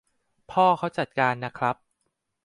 พ่อเขาจัดการน่ะครับ